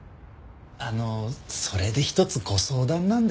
あのそれで一つご相談なんですが。